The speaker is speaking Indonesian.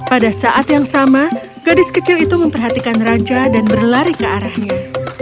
pada saat yang sama gadis kecil itu memperhatikan raja dan berlari ke arahnya